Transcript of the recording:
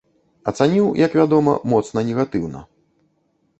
Ацаніў, як вядома, моцна негатыўна.